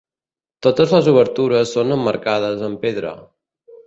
Totes les obertures són emmarcades amb pedra.